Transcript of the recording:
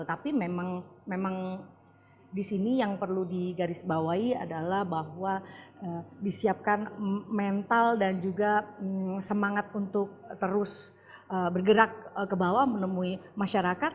tapi memang di sini yang perlu digarisbawahi adalah bahwa disiapkan mental dan juga semangat untuk terus bergerak ke bawah menemui masyarakat